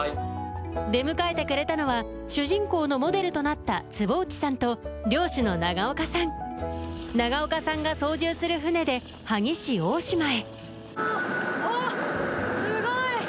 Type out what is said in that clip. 出迎えてくれたのは主人公のモデルとなった坪内さんと漁師の長岡さん長岡さんが操縦する船で萩市大島へおっすごい！